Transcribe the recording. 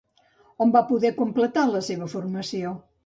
On va poder completar la seva formació?